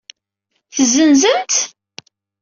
Tezenzem-tt?